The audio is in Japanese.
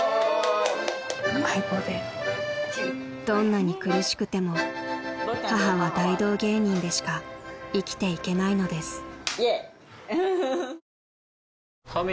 ［どんなに苦しくても母は大道芸人でしか生きていけないのです］